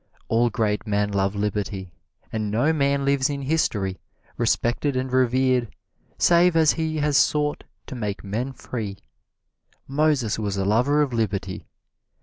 All great men love liberty, and no man lives in history, respected and revered, save as he has sought to make men free. Moses was a lover of liberty.